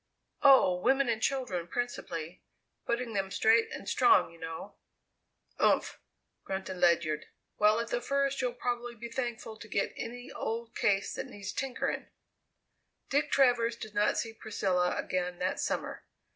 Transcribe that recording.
"Oh, women and children, principally putting them straight and strong, you know." "Umph," grunted Ledyard. "Well, at the first you'll probably be thankful to get any old case that needs tinkering." Dick Travers did not see Priscilla again that summer.